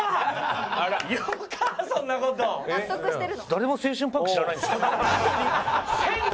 誰も青春パンク知らないんですか？